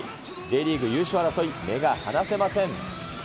Ｊリーグ優勝争い、目が離せません。